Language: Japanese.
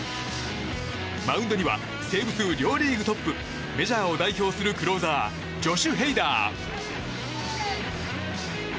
マウンドにはセーブ数両リーグトップメジャーを代表するクローザージョシュ・ヘイダー。